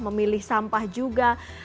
memilih sampah juga